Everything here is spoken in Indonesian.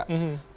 pada saat itu